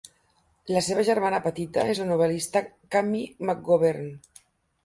La seva germana petita és la novel·lista Cammie McGovern.